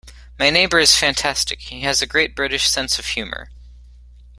My neighbour is fantastic; he has a great British sense of humour.